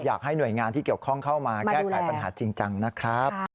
อยากให้หน่วยงานที่เกี่ยวข้องเข้ามาแก้ไขปัญหาจริงจังนะครับ